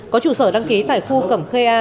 có trụ sở đăng ký tại khu cẩm khê a